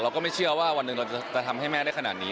ก็ไม่เชื่อว่าวันหนึ่งเราจะทำให้แม่ได้ขนาดนี้